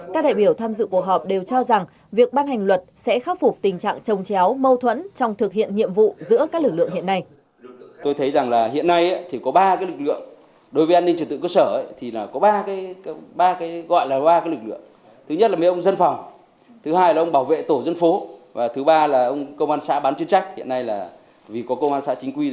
các đại biểu tham dự cuộc họp đều cho rằng việc ban hành luật sẽ khắc phục tình trạng trồng chéo mâu thuẫn trong thực hiện nhiệm vụ giữa các lực lượng hiện nay